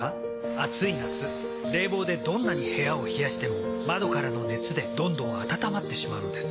暑い夏冷房でどんなに部屋を冷やしても窓からの熱でどんどん暖まってしまうんです。